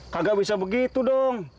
kagak bisa begitu dong